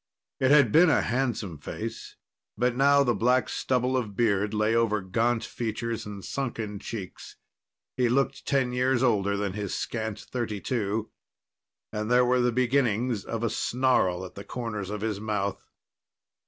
It had been a handsome face, but now the black stubble of beard lay over gaunt features and sunken cheeks. He looked ten years older than his scant thirty two, and there were the beginnings of a snarl at the corners of his mouth.